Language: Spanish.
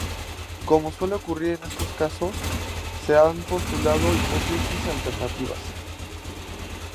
Como suele ocurrir en estos casos, se han postulado hipótesis alternativas.